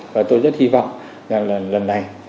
và tôi rất hy vọng là lần này